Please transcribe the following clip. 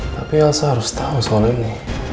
tapi elsa harus tau soalnya ini